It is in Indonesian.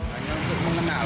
hanya untuk mengenal